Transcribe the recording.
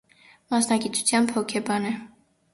Մասնագիտությամբ հոգեբան է։